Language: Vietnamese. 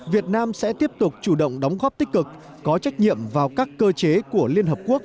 việt nam sẽ tiếp tục chủ động đóng góp tích cực có trách nhiệm vào các cơ chế của liên hợp quốc